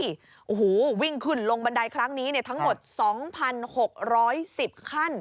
โอ้โหวิ่งขึ้นลงบันไดครั้งนี้ทั้งหมด๒๖๑๐ขั้น